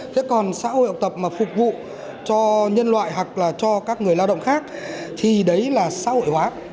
thế còn xã hội học tập mà phục vụ cho nhân loại hoặc là cho các người lao động khác thì đấy là xã hội hóa